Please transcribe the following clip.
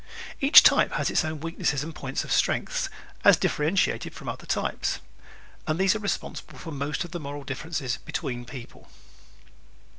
¶ Each type has its own weaknesses and points of strength as differentiated from other types and these are responsible for most of the moral differences between people.